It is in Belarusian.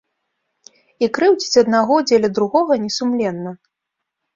І крыўдзіць аднаго дзеля другога не сумленна.